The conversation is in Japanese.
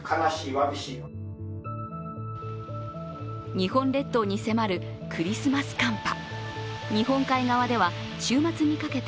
日本列島に迫るクリスマス寒波。